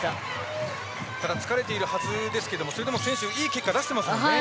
疲れているはずですがそれでも選手たちはいい結果を出してますよね。